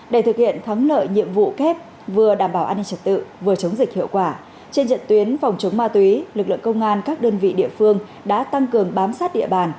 để thực hiện thắng lợi nhiệm vụ kép vừa đảm bảo an ninh trật tự vừa chống dịch hiệu quả trên trận tuyến phòng chống ma túy lực lượng công an các đơn vị địa phương đã tăng cường bám sát địa bàn